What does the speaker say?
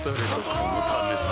このためさ